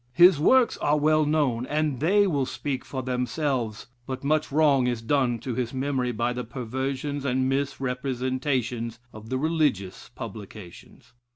His works are well known, and they will speak for themselves but much wrong is done to his memory by the perversions and misrepresentations of the religious publications.